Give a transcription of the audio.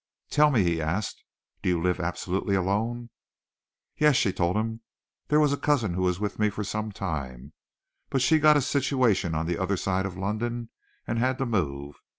"Tell me," he asked, "do you live absolutely alone?" "Yes!" she told him. "There was a cousin who was with me for some time, but she got a situation the other side of London, and had to move.